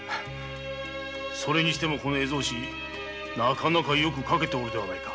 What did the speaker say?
それにしてもこの絵草子なかなかよく描けておるではないか。